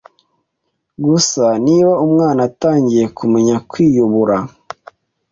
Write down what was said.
Gusa niba umwana atangiye kumenya kwiyubura